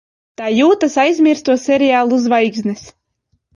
Tā jūtas aizmirsto seriālu zvaigznes.